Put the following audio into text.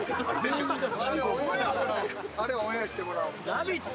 「ラヴィット！」